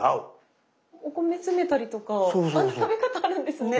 お米詰めたりとかあんな食べ方あるんですね。